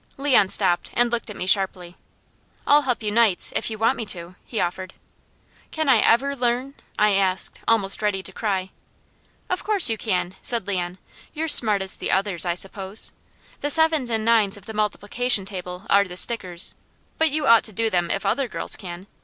Leon stopped and looked at me sharply. "I'll help you nights, if you want me to," he offered. "Can I ever learn?" I asked, almost ready to cry. "Of course you can," said Leon. "You're smart as the others, I suppose. The sevens and nines of the multiplication table are the stickers, but you ought to do them if other girls can.